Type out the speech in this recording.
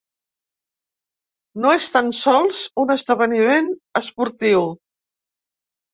No és tan sols un esdeveniment esportiu.